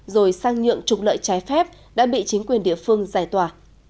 rồi sang nhượng trục lợi trái phép đã bị chính quyền địa phương giải tỏa